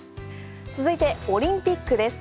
続いてオリンピックです。